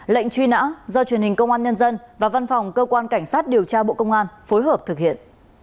lệnh truy nã do truyền hình công an nhân dân và văn phòng cơ quan cảnh sát điều tra bộ công an phối hợp thực hiện